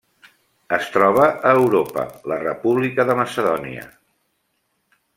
Es troba a Europa: la República de Macedònia.